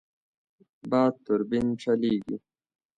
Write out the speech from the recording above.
باد توربین چلېږي.